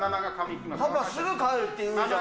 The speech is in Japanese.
パパすぐ帰るっていうじゃん。